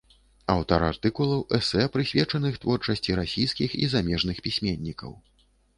Аўтар артыкулаў, эсэ прысвечаных творчасці расійскіх і замежных пісьменнікаў.